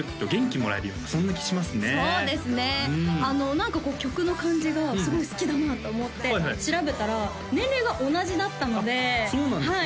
何か曲の感じがすごい好きだなと思って調べたら年齢が同じだったのでそうなんですね